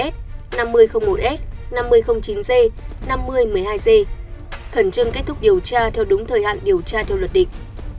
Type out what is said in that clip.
năm mươi hai s năm mươi một s năm mươi chín g năm mươi một mươi hai g khẩn trương kết thúc điều tra theo đúng thời hạn điều tra theo luật định